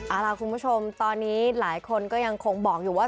เอาล่ะคุณผู้ชมตอนนี้หลายคนก็ยังคงบอกอยู่ว่า